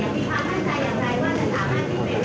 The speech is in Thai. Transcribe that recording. พี่พันธุ์ใจอยากใจว่าแต่สามารถที่เป็น